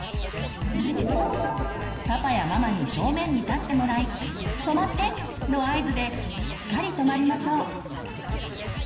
パパやママに正面に立ってもらい「止まって！」の合図でしっかり止まりましょう。